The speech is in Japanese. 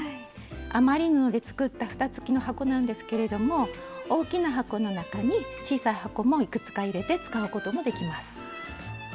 余り布で作ったふた付きの箱なんですけれども大きな箱の中に小さい箱もいくつか入れて使うこともできます。